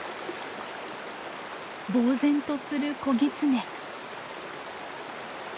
ぼう然とする子ギツネ。